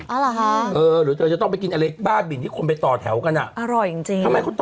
อ้าวหรอฮะเออหรือเธอจะต้องไปกินอะไรบ้าดินที่คนไปต่อแถวกันอ่ะอร่อยจริง